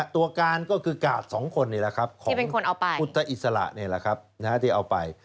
ตัวการก็คือกาดสองคนนี่แหละครับที่เป็นคนเอาไปพุทธอิสระนี่แหละครับที่เอาไป